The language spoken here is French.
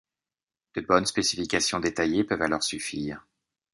De bonnes spécifications détaillées peuvent alors suffire.